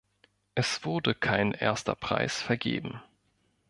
Es wurde kein erster Preis vergeben.